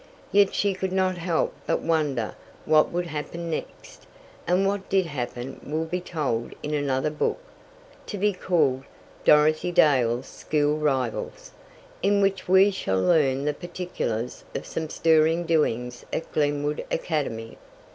Yet she could not help but wonder what would happen next. And what did happen will be told in another book, to be called, "Dorothy Dale's School Rivals," in which we shall learn the particulars of some stirring doings at Glenwood Academy.